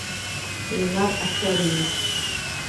Ленар ӘХТӘРИЕВ